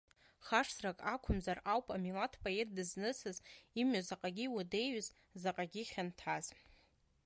Хашҭрак ақәымзар ауп амилаҭ поет дызнысыз имҩа заҟагьы иуадаҩыз, заҟагьы ихьанҭаз.